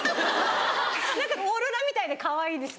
何か「オーロラ」みたいでかわいいです。